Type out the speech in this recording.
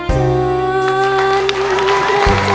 เธอนุ์ตระจำ